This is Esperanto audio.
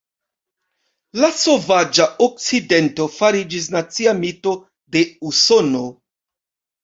La "sovaĝa okcidento" fariĝis nacia mito de Usono.